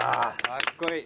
かっこいい！